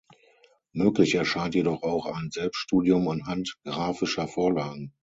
Möglich erscheint jedoch auch ein Selbststudium anhand graphischer Vorlagen.